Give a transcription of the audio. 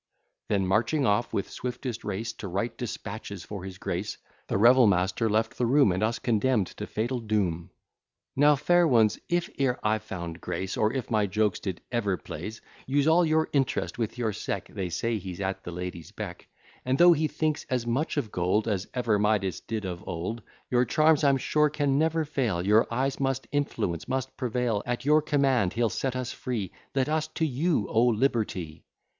Then marching off with swiftest race To write dispatches for his grace, The revel master left the room, And us condemn'd to fatal doom. Now, fair ones, if e'er I found grace, Or if my jokes did ever please, Use all your interest with your sec, (They say he's at the ladies' beck,) And though he thinks as much of gold As ever Midas did of old: Your charms I'm sure can never fail, Your eyes must influence, must prevail; At your command he'll set us free, Let us to you owe liberty.